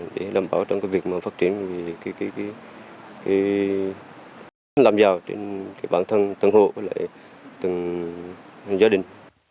để đảm bảo trong cái việc mà phát triển làm giàu cho bản thân thân hộ và lại thân gia đình